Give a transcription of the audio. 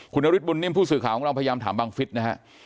คุณนฤทธบุญนิ่มผู้สื่อข่าวของเราพยายามถามบังฟิศนะฮะ